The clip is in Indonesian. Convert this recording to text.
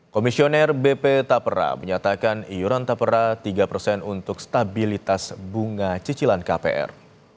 komisioner bp tapera menyatakan iuran tapera tiga persen untuk stabilitas bunga cicilan kpr